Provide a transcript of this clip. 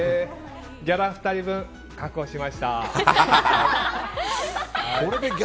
ギャラ２人分、確保しました！